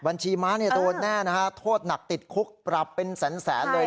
บัญชีม้าเนี่ยโดนแน่นะฮะโทษหนักติดคุกปรับเป็นแสนเลย